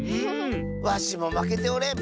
わしもまけておれん！